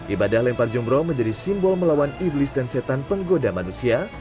ibadah lempar jumroh menjadi simbol melawan iblis dan setan penggoda manusia